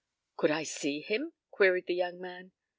"Could I see him?" queried the young man.